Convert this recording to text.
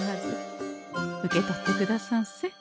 受け取ってくださんせ。